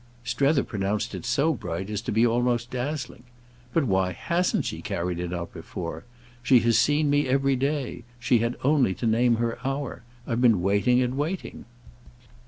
Strether pronounced it so bright as to be almost dazzling. "But why hasn't she carried it out before? She has seen me every day—she had only to name her hour. I've been waiting and waiting."